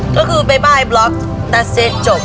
ก็คือบ๊ายบายบล็อคแต่เสร็จจบ